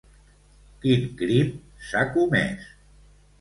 Quin crim s'ha comès?